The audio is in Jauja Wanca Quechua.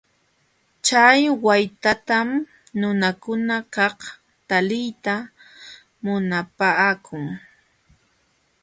Chay waytatam nunakunakaq taliyta munapaakun.